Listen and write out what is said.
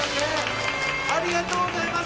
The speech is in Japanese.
ありがとうございます！